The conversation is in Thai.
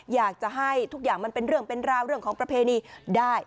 อยากจะให้ทุกอย่างมันเป็นเรื่องเป็นราวเรื่องของประเพณีได้